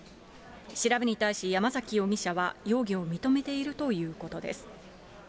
調べに対し山崎容疑者は容疑を認めているということです。